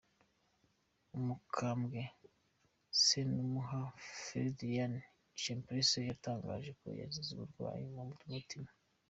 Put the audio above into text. Umukambwe Senumuha Ferediriyani Chimpreports yatangaje ko yazize uburwayi bw’ umutima.